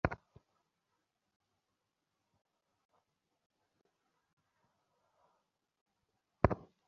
ওর সিকি দুধ হজম করবার ক্ষমতাও যে ওর নেই।